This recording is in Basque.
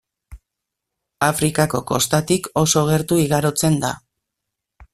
Afrikako kostatik oso gertu igarotzen da.